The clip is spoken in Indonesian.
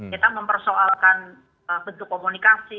kita mempersoalkan bentuk komunikasi